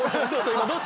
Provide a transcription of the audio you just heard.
今どっち？